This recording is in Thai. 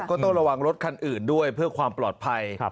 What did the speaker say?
ก็ต้องระวังรถคันอื่นด้วยเพื่อความปลอดภัย